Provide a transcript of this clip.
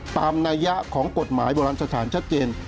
นัยยะของกฎหมายโบราณสถานชัดเจน